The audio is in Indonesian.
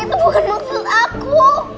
itu bukan maksud aku